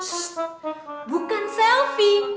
shhh bukan selvi